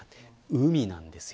海なんですよ。